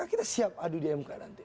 kita siap adu di mk nanti